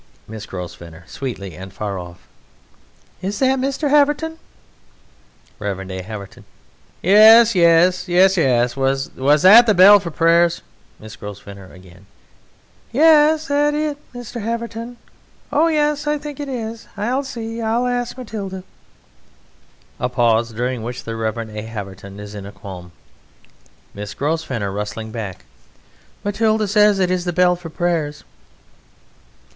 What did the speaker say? MISS GROSVENOR (sweetly and, far off): Is that Mr. Haverton? REV. A. HAVERTON: Yes! yes! yes! yes!... Was that the bell for prayers? MISS GROSVENOR (again): Yes? Is that Mr. Haverton? Oh! Yes! I think it is.... I'll see I'll ask Matilda. (A pause, during which the REV. A. HAVERTON is in a qualm.) MISS GROSVENOR (rustling back): Matilda says it is the bell for prayers.